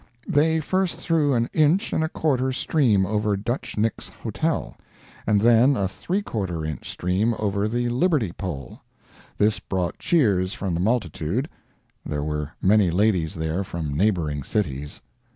They first threw an inch and a quarter stream over Dutch Nick's hotel, and then a three quarter inch stream over the liberty pole. This brought cheers from the multitude (there were many ladies there from neighboring cities).